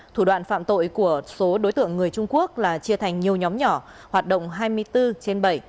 thủ đoạn phạm tội của số đối tượng người trung quốc là chia thành nhiều nhóm nhỏ hoạt động hai mươi bốn trên bảy